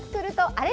あれ？